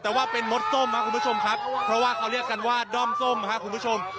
แต่ว่าเป็นมดส้มครับคุณผู้ชมครับเพราะว่าเขาเรียกกันว่าด้อมส้มครับคุณผู้ชม